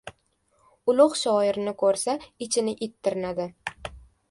Ulug‘ shoirni ko‘rsa, ichini it tirnadi.